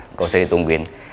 nggak usah ditungguin